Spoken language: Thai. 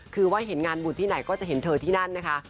คือว่าเห็นงานบุญที่ไหนก็จะเห็นเธอที่นั่นนะคะ